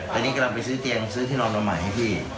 ตอนนี้กำลังไปซื้อเตียงซื้อที่นอนมาใหม่ให้พี่